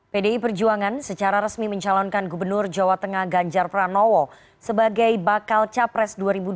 pdi perjuangan secara resmi mencalonkan gubernur jawa tengah ganjar pranowo sebagai bakal capres dua ribu dua puluh